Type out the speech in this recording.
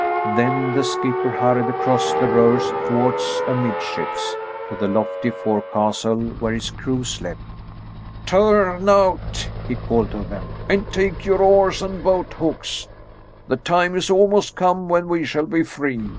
Then the skipper hurried across the rowers' thwarts amidships to the lofty forecastle where his crew slept. "Turn out," he called to them, "and take your oars and boat hooks! The time is almost come when we shall be free.